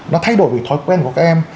nó thay đổi về thói quen của các em